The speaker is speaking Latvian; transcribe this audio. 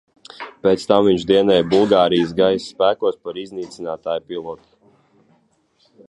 Pēc tam viņš dienēja Bulgārijas gaisa spēkos par iznīcinātāju pilotu.